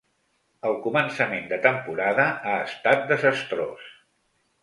El començament de temporada ha estat desastrós.